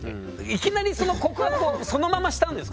いきなりその告白をそのまましたんですか？